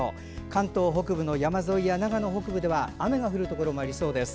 関東北部の山沿いや長野北部では雨が降るところもありそうです。